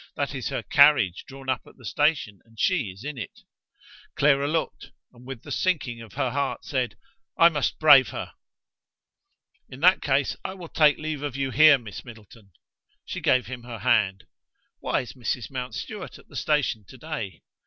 That is her carriage drawn up at the station, and she is in it." Clara looked, and with the sinking of her heart said: "I must brave her!" "In that case I will take my leave of you here, Miss Middleton." She gave him her hand. "Why is Mrs. Mountstuart at the station to day?"